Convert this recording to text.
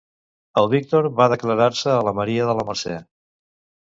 El Víctor va declarar-se a la Maria de la Mercè?